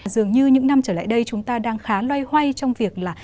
dường như những năm trở lại đây chúng ta đang khá loay hoay trong việc là